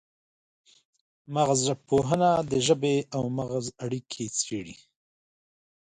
مغزژبپوهنه د ژبې او مغزو اړیکې څیړي